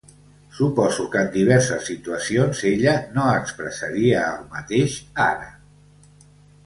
Suposo que en diverses situacions ella no expressaria el mateix, ara.